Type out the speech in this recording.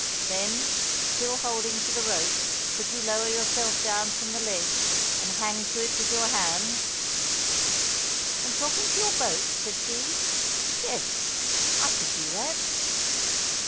"Then, still holding to the rope, could you lower yourself down from the ledge and hang to it with your hands?" "And drop into your boat?" said she. "Yes, I could do that."